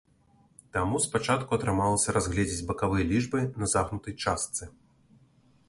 Таму спачатку атрымалася разгледзець бакавыя лічбы на загнутай частцы.